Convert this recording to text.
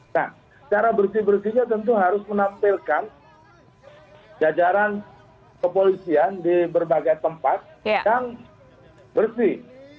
nah cara bersih bersihnya tentu harus menampilkan jajaran kepolisian di berbagai tempat yang bersih